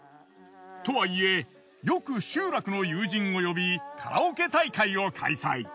とはいえよく集落の友人を呼びカラオケ大会を開催。